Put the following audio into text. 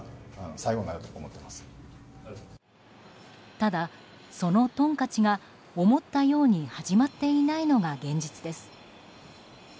ただ、そのトンカチが思ったように始まっていないのが現実です。